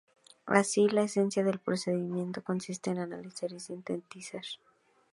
Así, la esencia del procesamiento consiste en analizar y sintetizar.